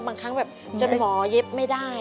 บางครั้งแบบจนหมอเย็บไม่ได้